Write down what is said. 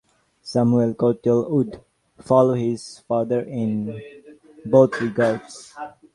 Samuel Courtauld would follow his father in both regards.